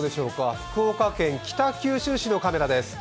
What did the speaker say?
福岡県北九州市のカメラです。